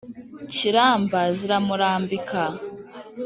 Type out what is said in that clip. kiramba ziramurambika.